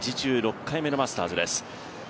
８６回目のマスターズです。